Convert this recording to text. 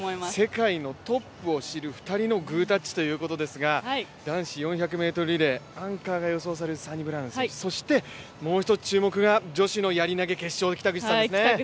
世界のトップを知る２人のグータッチということですが男子４００ｍリレー、アンカーが予想されるサニブラウン選手、そしてもう１つ注目が女子のやり投決勝の北口さんですね。